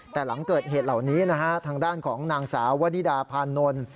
แต่หลังเกิดเหตุเหล่านี้นะฮะทางด้านของนางสาววนิดาพานนท์